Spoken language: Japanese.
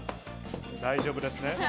大丈夫ですね。